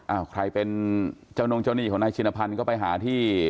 อ้าวใครเป็นเจ้านุงเจ้านี่ของมันชีนภัณฑ์ก็ไปหาที่